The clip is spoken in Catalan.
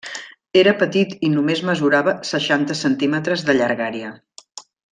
Era petit i només mesurava seixanta centímetres de llargària.